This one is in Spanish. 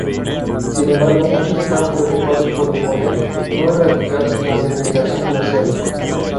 Sin embargo, muchos estaban preocupados por imponer, no erradicar, la segregación racial.